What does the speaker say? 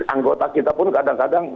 anggota kita pun kadang kadang